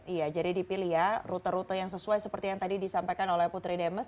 iya jadi dipilih ya rute rute yang sesuai seperti yang tadi disampaikan oleh putri demes